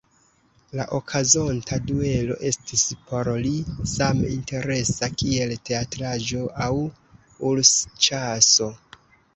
La okazonta duelo estis por li same interesa, kiel teatraĵo aŭ ursĉaso.